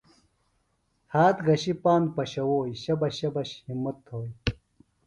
ہات گِھشی پاند پشَوؤئیۡ، شبش شبش ہِمت تھوئیۡ